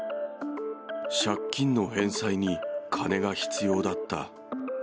借金の返済に金が必要だった。